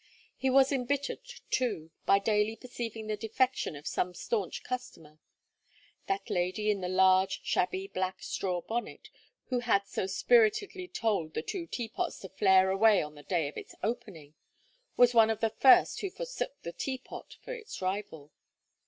He was embittered, too, by daily perceiving the defection of some staunch customer. That lady in the large, shabby, black straw bonnet, who had so spiritedly told "The two Teapots" to flare away on the day of its opening, was one of the first who forsook the "Teapot" for its rival.